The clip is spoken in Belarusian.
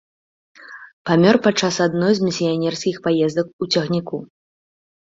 Памёр падчас адной з місіянерскіх паездак у цягніку.